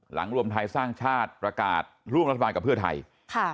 รวมไทยสร้างชาติประกาศร่วมรัฐบาลกับเพื่อไทยค่ะ